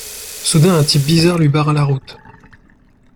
Soudain un type bizarre lui barra la route.